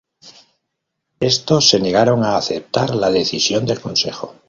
Estos se negaron a aceptar la decisión del consejo.